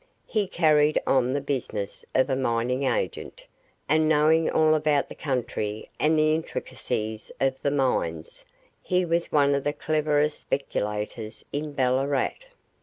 He carried on the business of a mining agent, and knowing all about the country and the intricacies of the mines, he was one of the cleverest speculators in Ballarat.